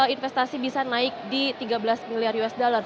investasi bisa naik di tiga belas miliar usd